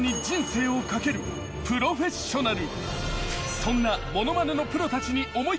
プロフェッショナル。